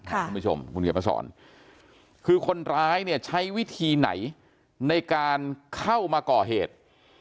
คุณผู้ชมคุณเขียนมาสอนคือคนร้ายเนี่ยใช้วิธีไหนในการเข้ามาก่อเหตุ